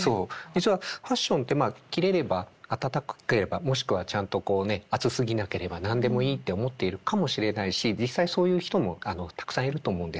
実はファッションってまあ着れれば暖かければもしくはちゃんとこうね暑すぎなければ何でもいいって思っているかもしれないし実際そういう人もたくさんいると思うんです。